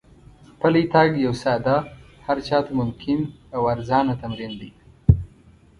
پلی تګ یو ساده، هر چا ته ممکن او ارزانه تمرین دی.